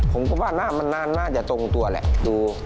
ผมก็ว่าน่าจะตรงตัวแหละดู